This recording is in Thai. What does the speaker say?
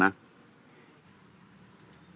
คลีกแล้วนะ